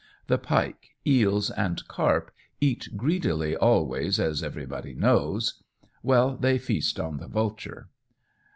The pike, eels, and carp eat greedily always, as everybody knows well, they feast on the vulture.